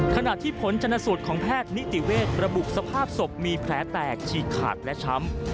ขณะที่ผลชนสูตรของแพทย์นิติเวทย์ระบุสภาพศพมีแผลแตกฉีกขาดและช้ำ